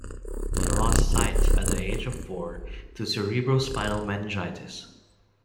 He lost his sight at the age of four to cerebrospinal meningitis.